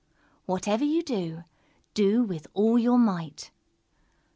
_Whatever you do, do with all your might.